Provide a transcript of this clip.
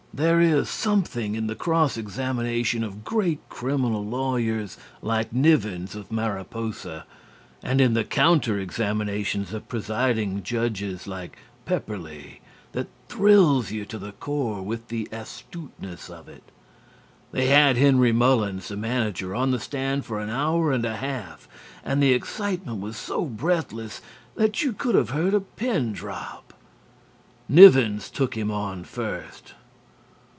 There is something in the cross examination of great criminal lawyers like Nivens, of Mariposa, and in the counter examinations of presiding judges like Pepperleigh that thrills you to the core with the astuteness of it. They had Henry Mullins, the manager, on the stand for an hour and a half, and the excitement was so breathless that you could have heard a pin drop. Nivens took him on first.